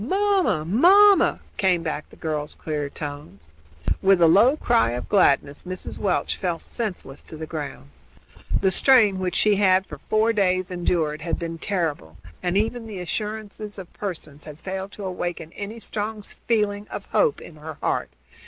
"Mamma! mamma!" came back in the girl's clear tones. With a low cry of gladness Mrs. Welch fell senseless to the ground. The strain which she had for four days endured had been terrible, and even the assurances of Pearson had failed to awaken any strong feeling of hope in her heart.